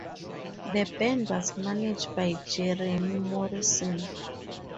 The band was managed by Jeremy Morrison.